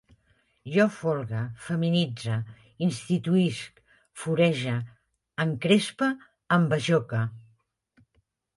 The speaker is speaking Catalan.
Jo folgue, feminitze, instituïsc, forege, encrespe, esbajoque